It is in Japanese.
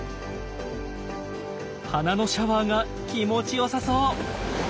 鼻のシャワーが気持ちよさそう！